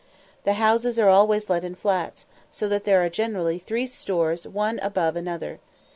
The houses are always let in flats, so that there are generally three stores one above another.